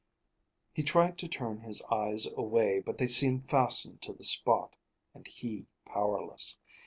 He tried to turn his eyes away, but they seemed fastened to the spot, and he powerless.